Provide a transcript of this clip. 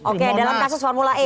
oke dalam kasus formula e